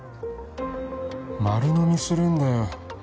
丸のみするんだよ